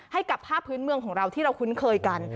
ให้กับผ้าพื้นเมืองของเราที่เราคุ้นเคยกัน